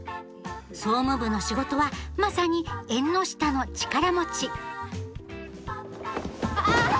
総務部の仕事はまさに縁の下の力持ちあ！